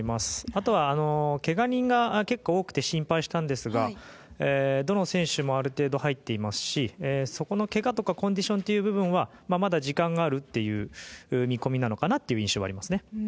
あとは怪我人が結構多くて心配したんですがどの選手もある程度入っていますしそこの怪我とかコンディションという部分はまだ時間があるという見込みなのかなという印象はありますね。